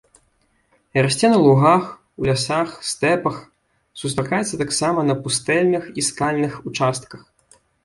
Расце на лугах, у лясах, стэпах, сустракаецца таксама на пустэльных і скальных участках.